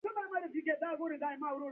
د زیارکښو باغبانانو هیواد افغانستان.